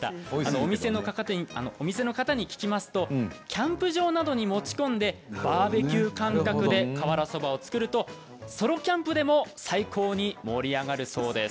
お店の方に聞きますとキャンプ場などに持ち込んでバーベキュー感覚で瓦そばを作るとソロキャンプでも最高に盛り上がるそうです。